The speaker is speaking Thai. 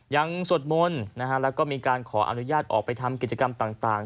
สวดมนต์แล้วก็มีการขออนุญาตออกไปทำกิจกรรมต่าง